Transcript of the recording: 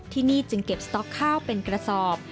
ที่นี่จึงเก็บสต๊อกข้าวเป็นกระสอบ